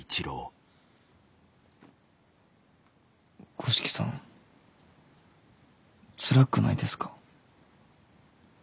五色さんつらくないですか？